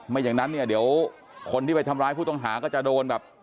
อย่างนั้นเนี่ยเดี๋ยวคนที่ไปทำร้ายผู้ต้องหาก็จะโดนแบบ